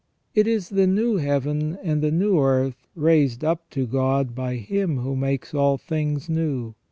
It is the new Heaven and the new earth raised up to God by Him who makes all things new.